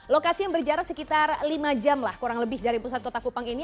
lokasi yang berjarak sekitar lima jam lah kurang lebih dari pusat kota kupang ini